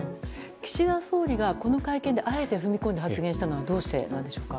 岸田総理が、この会見であえて踏み込んだ発言したのはどうしてなんでしょうか。